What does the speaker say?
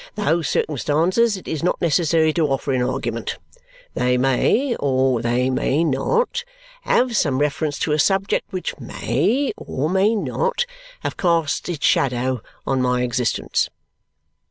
Those circumstances it is not necessary to offer in argument. They may or they may not have some reference to a subject which may or may not have cast its shadow on my existence."